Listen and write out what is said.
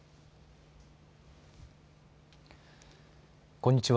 こんにちは。